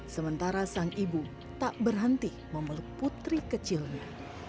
sementara sang ibu tak berhenti memeluk putri kecilnya